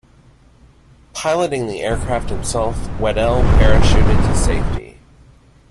Piloting the aircraft himself, Wedell parachuted to safety.